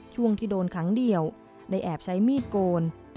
ช่วงที่โดนครั้งเดียวได้แอบใช้มีดโกน